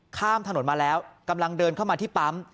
ข้ามถนนมาแล้วกำลังเดินเข้ามาที่ปั๊ม